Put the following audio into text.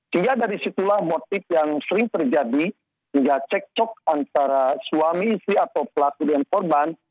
sehingga dari situlah motif yang sering terjadi hingga cek cok antara suami si atau pelaku dengan korban